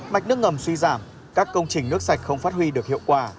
mạch nước ngầm suy giảm các công trình nước sạch không phát huy được hiệu quả